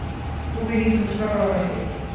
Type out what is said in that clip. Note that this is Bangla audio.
তবু ইনিংস ঘোষণা করা হয়নি।